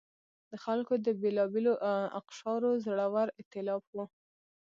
د خلکو د بېلابېلو اقشارو زړور اېتلاف و.